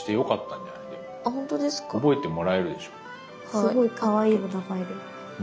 すごいかわいいお名前で。